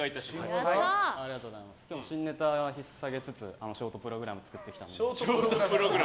新ネタ引っさげつつショートプログラム作ってきたので。